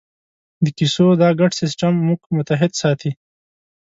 د کیسو دا ګډ سېسټم موږ متحد ساتي.